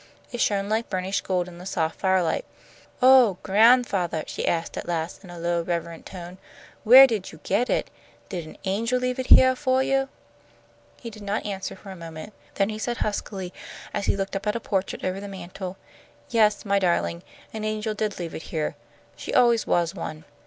It shone like burnished gold in the soft firelight. "Oh, gran'fathah!" she asked at last in a low, reverent tone, "where did you get it? Did an angel leave it heah fo' you?" He did not answer for a moment. Then he said, huskily, as he looked up at a portrait over the mantel, "Yes, my darling, an angel did leave it here. She always was one.